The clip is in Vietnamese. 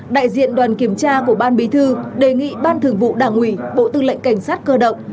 đại diện đoàn kiểm tra của ban bí thư đề nghị ban thường vụ đảng ủy bộ tư lệnh cảnh sát cơ động